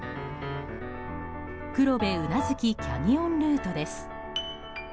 黒部宇奈月キャニオンルートです。